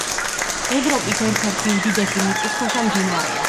ევროპის ერთ-ერთი უდიდესი მიწისქვეშა მდინარეა.